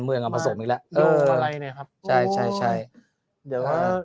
เมืองกับประสงค์อีกแล้วเอออะไรนะครับใช่ใช่เดี๋ยวว่า